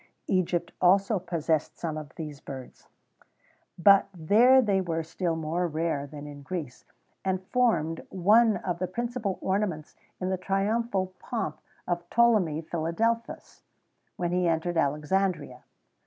[XVII 105] Egypt also possessed some of these birds; but there they were still more rare than in Greece, and formed one of the principal ornaments in the triumphal pomp of Ptolemy Philadelphus, when he entered Alexandria.